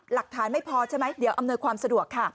หลักฐานไม่พอใช่ไหมเดี๋ยวอำนวยความสะดวกค่ะ